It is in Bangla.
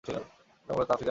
এরা মূলত আফ্রিকান পাখি।